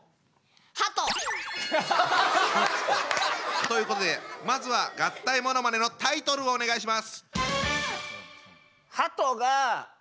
ハト！ということでまずは合体ものまねのタイトルをお願いします。